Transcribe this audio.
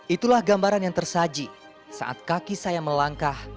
itulah gambaran yang tersaji saat kaki saya melangkah